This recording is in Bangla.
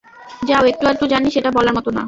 যা-ও একটু আধটু জানি, সেটা বলার মতো না।